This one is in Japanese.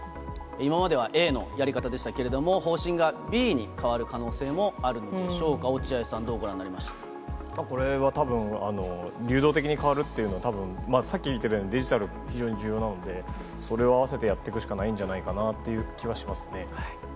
今まではＡのやり方でしたけれども、方針がＢに変わる可能性もあるんでしょうか、落合さん、どうご覧これはたぶん、流動的に変わるというのは、さっき言ってたように、デジタル、ひじょうにじゅうようなのでそれを合わせてやってくしかないんじゃないかなっていう気はしますね。